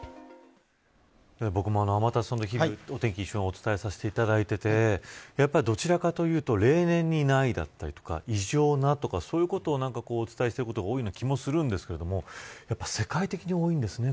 僕も天達さんとお天気を一緒にお伝えさせていただいていてどちらかというと例年にないだったり異常なということをお伝えしていることが多いような気もしますが世界的に多いんですね